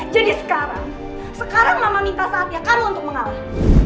jadi sekarang sekarang mama minta saatnya kamu untuk mengalah